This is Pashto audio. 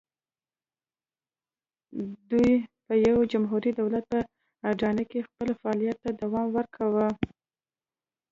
دوی په یوه جمهوري دولت په اډانه کې خپل فعالیت ته دوام ورکاوه.